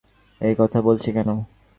নিসার আলি অবাক হয়ে বললেন, এ-কথা বলছি কেন?